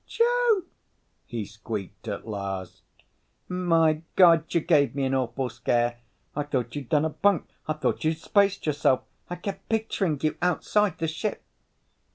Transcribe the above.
"Joe!" he squeaked at last. "Migod, you gave me an awful scare. I thought you'd done a bunk, I thought, you'd spaced yourself, I kept picturing you outside the ship."